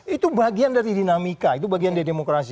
itu bagian dari dinamika itu bagian dari demokrasi